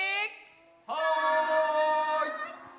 はい！